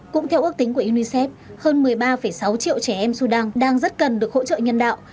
cũng theo ước tính của unicef hơn một mươi ba sáu triệu trẻ em sudan đang rất cần được hỗ trợ nhân đạo